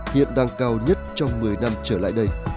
hiện đang cao nhất trong một mươi năm trở lại đây